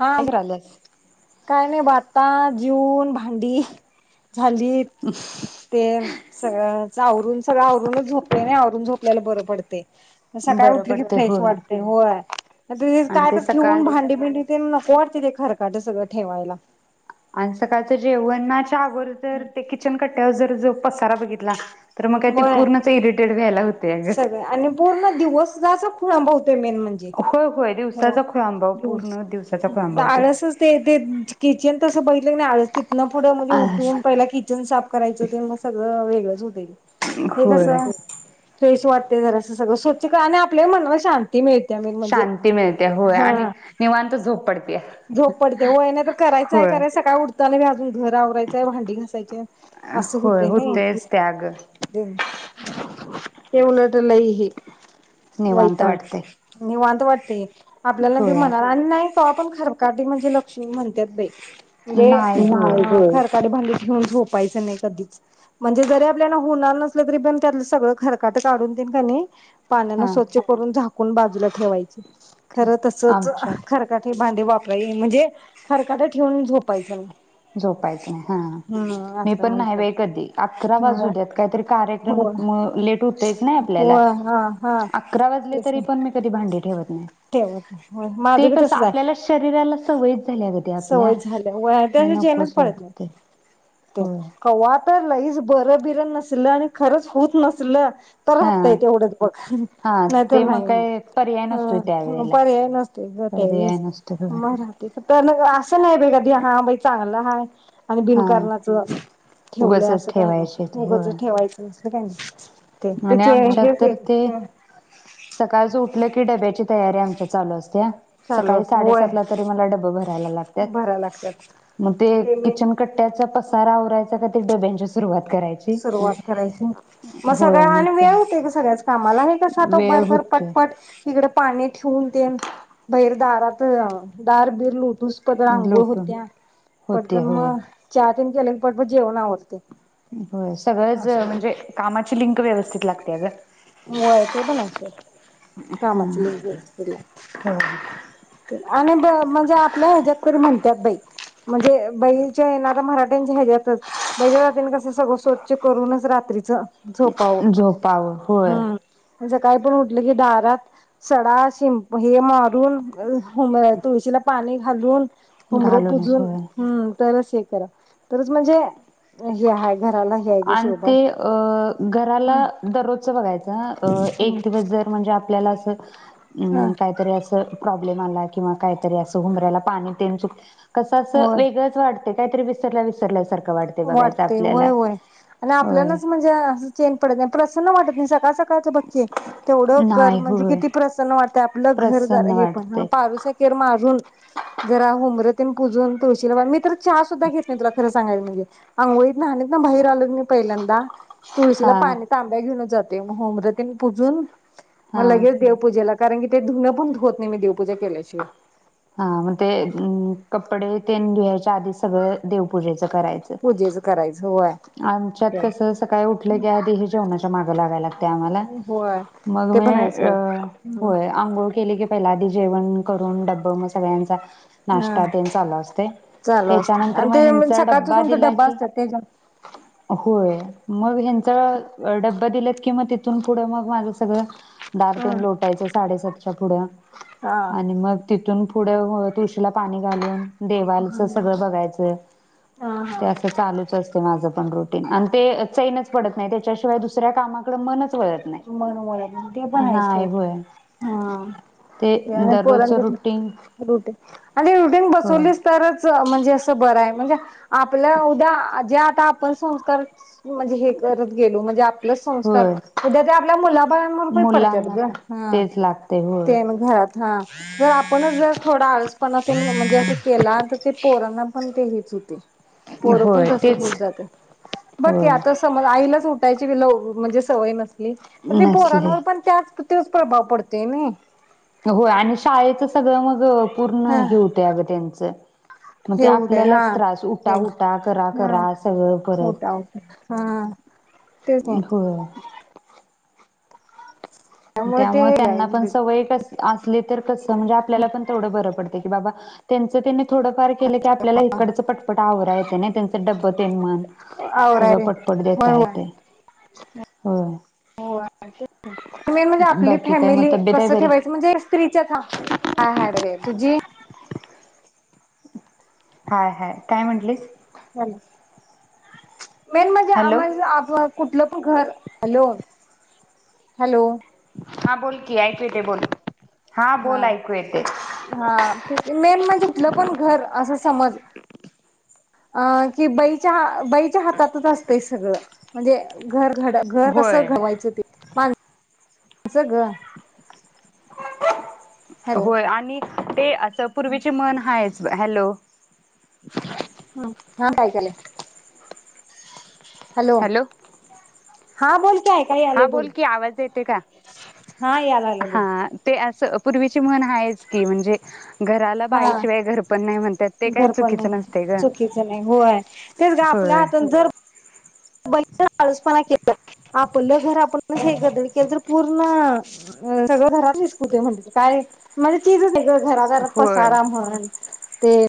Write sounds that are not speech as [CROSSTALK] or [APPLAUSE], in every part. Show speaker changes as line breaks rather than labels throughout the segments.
हा
काय कराव्यात?
काय नाही आता जीऊन भांडी भाजीत तेल सगळंच आवरून सगळं आवरूनच झोपले नाही आवरून झोपलेलं बरं पडतेय सकाळी
बरं
उठले की
पडतंय
फ्रेश
होय
वाटते होय
आणि
काय
ते
तर ठेवून
सकाळच
भांडी भिंडी ते [UNINTELLIGIBLE] ते ते खरकाट सगळं ठेवायला
आण सकाळचं जेवणनाच च्यावर जर ते किचन कट्ट्यावर जर जप पसारा बघितला तर मग काय ते
व्हय
पूर्णच इरिटेट व्हायला होतंय अगं.
सगळे आणि पूर्ण दिवस जा [UNINTELLIGIBLE] मेन म्हणजे
होय होय दिवसाचा खोळंबाव पूर्ण दिवसाचा खोळंबा होतोय.
आळसच ते ते किचन तसं बघितलं नाही आळस तिथनं पुढं म्हणजे उठून
असं
पहिला किचन साफ करायचं ते मग सगळं वेगळंच हु दे हे कस
होय.
फ्रेश वाटते जरा सगळं स्वच्छ क आणि आपलं मनवा शांत ते मिळते मेन म्हणजे
शांती मिळते होय आणि
हं
निवांत झोप पडते.
झोप पडते वय नाही तर करायचं आहे
होय
करायचं सकाळ उठत त्यानं बी अजून [INAUDIBLE] घर आवरायचंय भांडी घासायचेत असं
होय
होतंय नाही
होतयच ते अगं
ते उलट लै ही
निवांत
वैताग
वाटतंय.
निवांत वाट ते आपल्याला भी
होय
म्हणाला आणि नाही त्या पण खरकाटी म्हणजे लक्ष्मी म्हणत्यात बई [UNINTELLIGIBLE]
नाही होय
खरं खरकटी भांडी ठेवून झोपायचं नाही कधीच म्हणजे जरी आपल्याला होणार नसल तरी पण त्यातलं सगळं खरकाट काढून तेन क नाही पाण्यानं
हा
स्वच्छ करून झाक कोण बाजूला ठेवायची खरं तसच
आमच्यात
खरकाटी भांडी वापराय येईन म्हणजे खरकाट ठेवून झोपायचं नाही
झोपायचं नाही हां
हम्म
मी
असं
पण नाही
म्हणतात
बाई कधी आकरा वाजू देत काय तरी कार्यक्रम
हो
मुळं लेट होतयच ना
हो
आपल्याला
हा हा
आकरा वाजले
तेच
तरी पण मी कधी भांडी ठेवत नाही
ठेवत नइ हं
ते
माझं बी
कसं
तसच आहे
आपल्याला शरीराला सवयच झाल्या ग ते आपल्या
सवय झाल्या वाट
ते
त्यांनी जेनच
नकोच
पाळत नाही
वाटते
क
होय
कवा तर लईच बरं बिर नसलं आणि खरंच हूत नसलं तर
हा
राहतेय तेवढच बघ
हा
नाही तर
ते
नाही मग
काय पर्याय नसतोय
हां
त्यावेेळेला
पर्याय नसतो ग
पर्याय
त्यावेळीस
नसतो होय
म राहतीतं त्यानं ग असं नाही बई कधी हां बई चांगलं हाय आणि
हा
बिनकारणाचं ठेवलंय
उगचच
असं काय
ठेवायचे
नाही
होय
उगचच ठेवायचं [UNINTELLIGIBLE]
आणि
त्याचे
आमच्यात
हेच
तर
येत
ते, सकाळचं उठलं की डब्याची तयारी आमच्या चालू असते च
चालू
सकाळी
असते
साडे
होय
सातला तरी मला डब भर मला लागत्यात,
भराय लागतात
म ते
मग मी
किचन कट्ट्याचा पसारा आवराय आत्ता डब्यांची सुरुवात करायची.
सुरुवात करायची, मस् होय
मग
आणि
ते
वेळ होतंय ग सगळ्याच कामाला हे कसं आता
वेळ
भरभर
होतोय
पटपट इकडे पा हे ठेवून तेन, बैर दारात या दार बीर लो दुसपद अंघोळ
लोटून.
होत्या,
होते
पटकन म
होय
चा केले पर प जेवण आवरते
हो सगळंच म्हणजे कामाची लिंक व्यवस्थित लागत्या ग
व्हय ते पण आहे सोड कामाची लई गरज
होय
पडल्या आणि म्हणजे आपल्या ह्याच्यात तरी म्हणतात बाई म्हणजे बहीरच्या येणाऱ्या मरा [UNINTELLIGIBLE] आपण कसं सगळं स्वच्छ करूनच रात्रीच
झोपावं होय
म्हणजे काय पण उठलं की दारात सडा शिं हे मारून [UNINTELLIGIBLE] मग तुळशीला पाणी घालून हुमरं
घालूनच
पुजून
होय.
हम्म तरच हे करा तरच म्हणजे हे आहे घराला हे आहे ग
आणि
शोभा
ते अ
ह
घराला दररोजचं बघायचं हा अ एका दिवस जर म्हणजे आपल्याला [UNINTELLIGIBLE]
ह
हम्म काहीतरी असं प्रॉब्लेम आला किंवा काहीतरी असं हुंबऱ्याला पाणी तेन चुक कसं असं
होय
वेगळंच वाटतंय काहीतरी विसरल्या विसरल्या सार
वाटतंय व्हय व्हय आणि
होय
आपल्यालाच म्हणजे अस चैन पडत नाही असं नाही वाटतं सका बग की तेवढ कर
नाही
म्हणजे
होय
किती प्रसन्न वाटतं आपलं घर
प्रसन्न
हे पण
वाटते
पारुस मारून जरा हुंब ते पुजून तळशीला पाणी मी तर चहा सुद्धा घेत नाही तुला खरं सांगाय म्हणजे आंघोळीत न्हणीतंन बाहेर आलं कणी पहिल्यांदा तुळशीला
हा
पाणी तांब्या घेऊनच जात ते म हुंबर तेन पूजून म
हा.
लगेच देवपूजेला कारण की ते धुनं पण धुवत नाही मी देवपूजा केल्याशिवाय
हा म ते कपडे तेन धुवायच्या आधी सगळं देवपूजेच करायचं
पूजेचं करायचं होय.
आमच्यात कस सकाळी उठलं की आधी हे जेवणाच्या माग लागायला लागतंय आम्हाला
होय
मग
ते
मी
पण आहे सोड
होय आंघोळ केलं की पहिला आदी जेवण करून डब्बा म सगळ्यांचा
हा
नाष्टा तेन चालु असतंय
चालू असतय
त्याच्यानंतर
आणि
मग
ते
ह्यांचा
सकाळच
डब्बा
तुमचा
दिला
डब्बा
की
असत्यात त्याच्यात
होय मग ह्यांचा डब्बा दिलात कि मग तिथून पुढं मग माझं सगळं दार
हा
तेन लोटायचं साडेसात च्या पुढ आणि मग तिथून पुढं म तुळशीला पाणी घालून देवालच सगळं बघायचं
हा हा
ते असं चालूच असत माझं पण रोज आणि ते चैनच पडत नाही त्याच्याशिवाय दुसऱ्या कामाकड मनच वळत नाही.
ते पण आहेच
नाही होय ते
हा
दररोजच
पोरांचं
रुटीन
रुटीन आणि रुटीन
होय
बसवलीस तरच म्हणजे अस बरहाय म्हणजे आपल्या उद्या जे आता आपण संस्कार म्हणजे हे करत गेलो म्हणजे आपलंच संस्कार
होय
उद्या ते आपल्या मुलाबाळंवर प पडत्यात
मुलांना
ग
पण
हा
तेच लागते होय.
तेन घरात हा जर आपणच जर थोडा आळसपणा म्हणजे असं केला तर ते पोरांना पण ते हे होतय. पोर पण
होय
तस
तेच
होत जातात बघ की
होय
आता समज आईलाच उठायची ल म्हजे सवय नस ली तर ते
नसले
पोरांवर पण त्याच तोच प्रभाव पडतेय नय
होय आणि शाळेचं सगळं मग पूर्ण
हा
हे होतय अग त्यांच म
हे
ते
होऊ दे हा
आपल्यालाच त्रास उटा
हा
उटा करा करा सगळं परत
मोठा होत हा तेच नाही
होय. त्यामुळे त्यांना पण सवय कस असली तर कस म्हणजे आपल्याला पण तेवढं बरं पडतय बाबा त्यांच त्त्यांनी थोडंफार केलं की आपल्याला इकडचं पटपट आवरा येत नाय त्यांचं डब [UNINTELLIGIBLE]
आवरा
सगळं
रे
पटपट
होय
देता
होय
येतय हो.
हो मेन म्हणजे आपली फॅमिली कस ठेवायच म्हणजे स्त्री च्या हा--हाय हाय बरी हाय. तुझी
हाय हाय काय म्हटलीस?
चालेल. मेन म्हणजे
हॅलो
आमास्नी आपण कुठलं पण घर हॅलो हॅलो
हा बोल की ऐकू येते बोल.
हा
बोल ऐकू येते.
हा तेच की मेन म्हणजे कुठलं पण घर असं समज अ की बाई च्यार हातातच असत सगळ. म्हणजे घर घड घर कस
होय
घडवायचं ते मा अस ग.
[INAUDIBLE]
हॅलो
होय आणि ते असं पूर्वीची म्हन हायेच. हॅलो
हम्म हां काय केलय?
हॅलो
हा बोल की ऐकाय
हा
आलय
बोल की आवाज येते का?
हा यायला लागलय
हा
बोल
ते अस पूर्वीची म्हण आहेच की म्हणजे घराला
हा
बाईशिवाय घर पण नाही म्हणतात ते काय
घरपण
चुकीचं
नाही
नसते ग.
चुकीचं नाही होय तेच ग आपल्या
होय
हातुन जर आळसपणा केला आपलं घर आपण हे गधड केलं तर पूर्ण अ सगळं घरातल विसकटून होतोय म्हणतीस काय म्हणजे चीजच नाही गं. घरादारात
होय
पसारा म्हण ते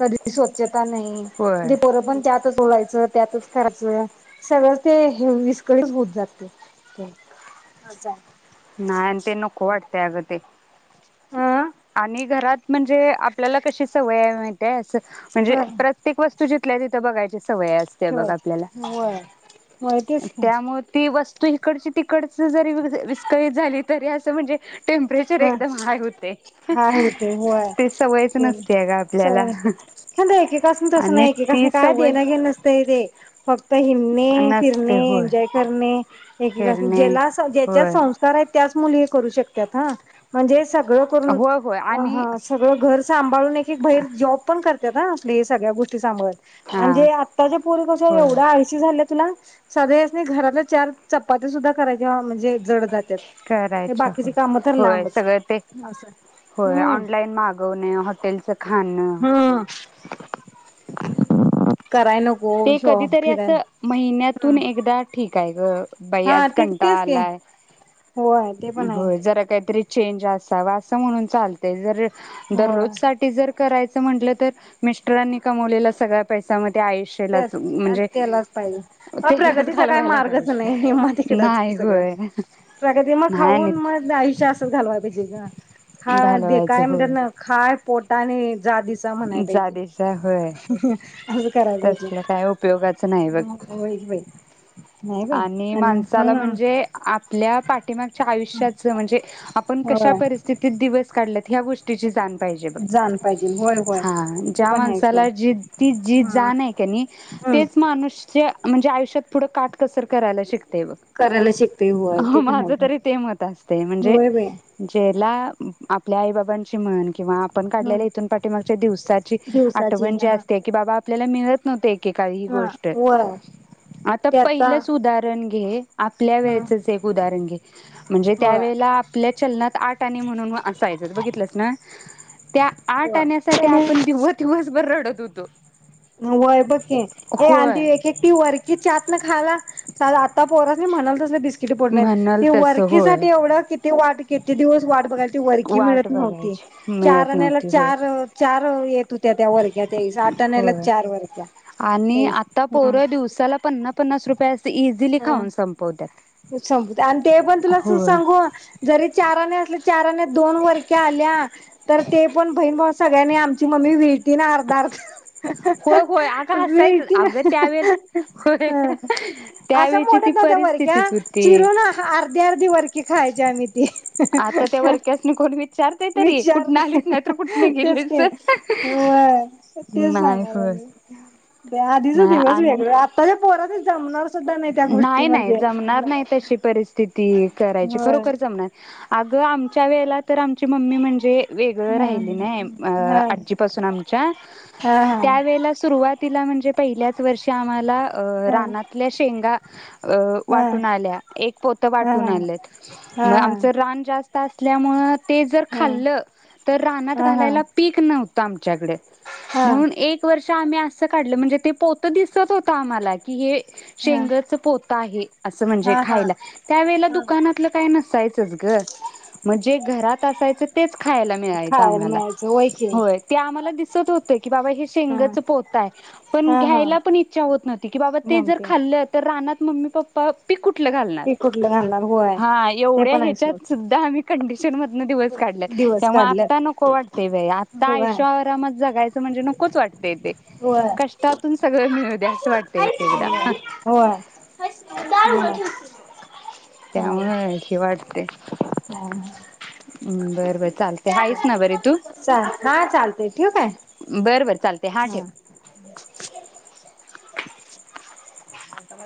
कधी सोचत दुकान नाही
होय
ते पोर पण त्यातच होऊ राहिले सर त्यातच करायचं. सगळंच ते हे विस्कळीत होत जातय.
नाही आण ते नको वाटतंय अगं ते
हा
आणि घरात म्हणजे आपल्याला कशी सवय हे माहितीये अस म्हणजे
अ
प्रत्येक वस्तूची तिथल्या तिथं बघायचे स सवय असतीया बघ आपल्याला
ठेवायचं होय होय तेच की
त्यामुळे ती वस तू इकडची तिकडच जरी वी-विस्कळीत झाली तरी असं म्हणजे टेम्परेचर एकदम हाय हूतय
हा होतेय होय ते
आहे का
सवय
आपल्याला
नसते हा ते एकेकास्नी तस
आणि
नाय
ती
एकेकासने काय
सवय
देण घेणं नसत ते फक पहिनणे फिरणे
नसते होय
एन्जॉय करणे एकेकास्नी
फिरणे
ज्याला ज्याच्या
होय
संस्कार आहेत त्याच मुली हे करू शकतात हा म्हणजेच? सगळं करून
होय होय आणि
हा सगळं घर सांभा सांभाळून एक एक बहीर जॉब पण करते त्या ना आपली सगळ्या गोष्टी सांभाळून
हा
आणि ते आत्ताचे पोरी कस
होय
एवढं आळशी झालेत ना सगळ्यांस्नी घराला चार चपाती सुद्धा करायच्या म्हणजे जड जात्यात
करायच्या
बाकीची
होय
काम
होय सगळं ते होय
हम्म
ऑनलाईन मागवण हॉटेलचं खाणं
हम्म
[INAUDIBLE]
कराय नको
ते
शो
कधीतरी अस
फिरायला ह
महिन्यातून एकदा ठीक आहे ग बाई आज
हा ते
कंटाळ
तेच की
आलाय
होय ते पण आहे
हो जरा काहीतरी चेंज असा व असं म्हणून चालतय जर
होय
दररोज साठी जर करायचं म्हटलं तर मिस्टरांनी कमवलेला सगळा पैसा पण ते आईकड
ते त्यालाच पाहिजे
तेलाच
प्रगतीचा काय
घालवायला
मार्गच
पाहिजे
नाही ने निम्म तकडच की
नाही
सगळ
होय
प्रगती मग
नाही आणि
खाऊन मग आयुष्य असच घालवापेजे खा काय
घालवायचं
म्हणतात
होय
ना खाय पोट आता आणि जा दिसा म्हणाय पाहिजे
जादेचा
असं कराय पाहिजे
त्या काय उपयोगाचं नाही बघ
होय बाई नाही बाई
आणि माणसाला
हा
म्हणजे आपल्या पाठीमागच्या आयुष्याच म्हणजे आपण कशा
होय
परिस्थितीत दिवस काढ ह गोष्टीची जाण पाहिजे बघ
जाण पाहिजे होय होय ते
ज्या
पण आहे का
माणसाला जाण तिच्या जाण
हा
हाय की नाही आहे की नाही तेच माणूस. म्हणजे आयुषत पुढं काट कसर करायला शिक
करायला शिकते होय ते पण
माझ
आहे
तरी ते मत असते म्हणजे
होय बाई
जे ला आपल्या आई बाबांची म्हण किंवा आपण
हा
काढलेल्या इथून पाठी मागच्या दिवसाची
दिवसाची
आठवण जी
हा
असते की बाबा आपल्याला मिळत नव्हते काही ह
हा
गोष्ट
वय
आता इथलच उदाहरण आण घे आपल्या
ह
वेळचच एक उदाहरण घे म्हणजे
होय
त्यावेेळेला आपल्या चलनात आट आणि म्हणून असायचं बघितलंस ना त्या आठ
होय
आणण्यासाठी
त्याने
आपण दिव दििवसभर रडत होतो तो
वय बघ ए आंधी
होय
एक एकटी वरकी ात ना खाला आता पोर बी म्हणाल तसं ड
म्हणाल तस होय
वरकीसाठी एवढ वरकीसाठी किती वाट किती दिवस वाट बघायला त वरकी
वाट
मिळत नव्हती
बघायची मिळत
चरण्याला
नव्हती होय
चार चार येत होती त्या वर्गाचे तय जात आणायला
होय आणि आता
हम्म.
पोर दिवसाला पन्ना पन्नास रुप ते इझिली
हा
खाऊन संपवत्यात
आणि ते पण तुला सांगू जरी चाराने अस चारने दोन वरक्या आल्या तर ते पण बहीणभाऊ सगळ्यांनी आमची मम्मी व ना अर्ध अर्ध
होय होय अगं हसायचंच
मिळती ना
अगं त्यावेळे होय
अशा
त्यावेळची ती
मोठ्यात नव्हत्या बर
परिस्थितीच होती
चिरून अर्धे अर्धी खायचे आम्ही ते
आता त्या वरक्यासनी कोण विचार
विचारते तेच की होय तेच
नाही
सांगा
होय
आधीच
नाही
दिवस
आणि
वेगळ आत्ता पोरा ते जमना
नाही नाही जमणार नाही तशी परिस्थिती करायची
होय
खरोखर जमणार नाही अगं आमच्या वेळेला तर आमची मम्मी म्हणजे वेगळ
हा
राहिली नये
हा
आजी पासून आमच्या
हा
त्यावेळी सुरवातीला म्हणजे पहिल्याच वर्षी आम्हाला
हा
रानातली शेंगा अ
हा हा
वाटून आल्या एक पोत
हा हा
वाटून आल्यात
हा हा
म
हा हा
आमच रान जास्त असल्यामुळे ते जर खाल्लं तर रानात
हा
घालायला पीक नव्हतं आमच्याकडे
हा
म्हणून एक वर्ष आम्ही असं काढलं म्हणजे ते पोत दिसत होत आम्हाला की हे शेंगच पोत आहे असं म्हणजे
हा हा
खायला त्यावेळे दुकानातलं काय नसायचंच ग म्हणजे घरात असायचं तेच खायला मिळायच
खायला
आम्हाला
मिळायचं की
होय ते आम्हाला दिसत होते की बाबा हे
हा
शेंगच पोतय पण
हा हा
घ्यायला पण इच्छा होत नव्हती की बा ते जर
नव्हते
खाल् तर राना ममी पप्पा पी कुठ कुठलं घालणार
ते कुठलं घालणार होय
हा
ते
एवढया
पण आहे सोड
ह्याच्यात सुद्धा आम्ही कंडीशन श्रीमतन दिवस काढले
दिवस
त्यामुळे
काढल्यात
आत्ता नको वाटतेय बाई आता
होय
आयशो आरामात जगायचं म्हणजे नकोच वाटतेय ते
होय
कष्टातून सगळं मिळू दे असं वाटतय एक एकदा
होय [UNINTELLIGIBLE] होय
त्यामुळे हे वाटतय
ह
बर बर चालते हायस ना बरी तू
हा [UNINTELLIGIBLE] चालतय ठेउ काय?
बर बर चालते
हा
ठेव. [UNINTELLIGIBLE]